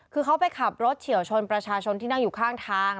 คือเขาไปขับรถเฉียวชนประชาชนที่นั่งอยู่ข้างทาง